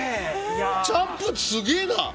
チャンプ、すげえな！